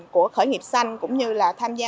của khởi nghiệp xanh cũng như là tham gia